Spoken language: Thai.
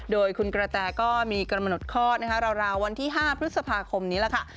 โดยคุณกระแตก็มีกำหนดคลอดนะคะราววันที่๕พฤษภาคมนี้แหละค่ะ